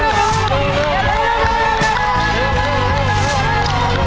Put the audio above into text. เอาแล้วนะครับถึงแล้วคุณลูกช่วยกันนะครับ